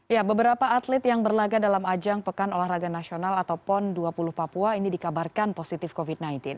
ya beberapa atlet yang berlaga dalam ajang pekan olahraga nasional atau pon dua puluh papua ini dikabarkan positif covid sembilan belas